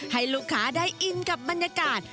ให้ลูกค้าได้อินกับบรรยากาศ